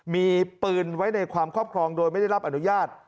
มีปืนไว้ในความครอบครองโดยไม่ได้รับอนุญาต